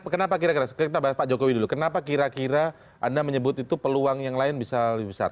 kenapa kira kira kita bahas pak jokowi dulu kenapa kira kira anda menyebut itu peluang yang lain bisa lebih besar